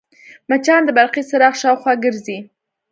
مچان د برقي څراغ شاوخوا ګرځي